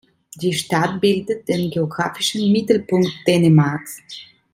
Die Stadt bildet den geographischen Mittelpunkt Dänemarks.